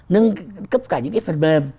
nâng cấp cả những cái phần bềm